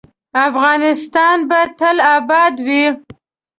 افغانستان به تل اباد وي